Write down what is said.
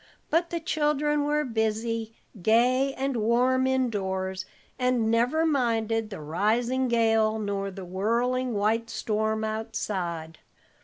But the children were busy, gay, and warm in doors, and never minded the rising gale nor the whirling white storm outside.